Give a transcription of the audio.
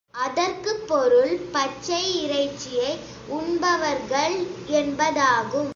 அதற்குப் பொருள், பச்சை இறைச்சியை உண்பவர்கள் என்பதாகும்.